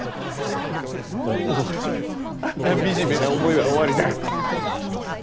もうあんな惨めな思いは終わりだ。